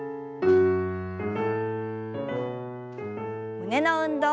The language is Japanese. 胸の運動。